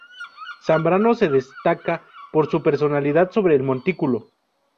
Zambrano se destaca por su personalidad sobre el montículo.